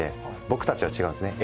僕たちは違うんですね